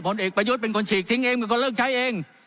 เอกประยุทธ์เป็นคนฉีกทิ้งเองเป็นคนเลิกใช้เอง